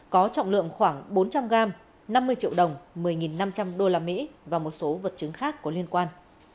có trọng lượng khoảng bốn trăm linh gram năm mươi triệu đồng một mươi năm trăm linh usd và một số vật chứng khác có liên quan